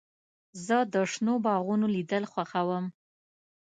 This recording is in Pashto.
زه د شنو باغونو لیدل خوښوم.